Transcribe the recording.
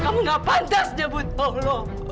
kamu nggak patah sebut allah